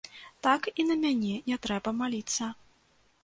Так і на мяне не трэба маліцца.